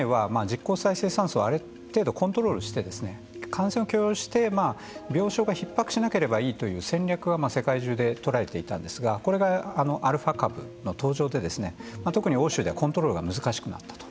ちょうど１年前は実効再生産数をある程度コントロールして感染を許容して病床がひっ迫しなければいいという戦略は世界中で取られていたんですがこれがアルファ株の登場で特に欧州でコントロールが難しくなったと。